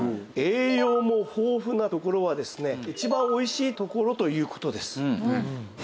栄養の豊富なところはですね一番おいしいところという事です。